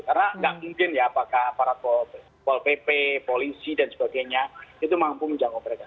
karena nggak mungkin ya apakah aparat pol pp polisi dan sebagainya itu mampu menjangkau mereka